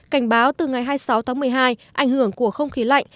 cảnh báo từ ngày hai mươi sáu tháng một mươi hai ảnh hưởng của không khí lạnh